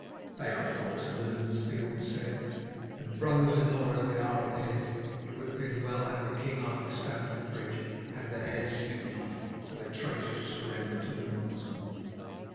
"They are false loons," Beorn said; "and brothers in law as they are of his, it would have been well had the king after Stamford Bridge had their heads smitten off for their traitorous surrender to the Norsemen."